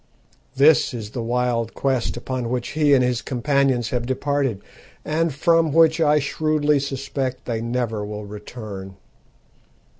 This is the wild quest upon which he and his companions have departed, and from which I shrewdly suspect they never will return.